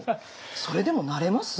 それでもなれます？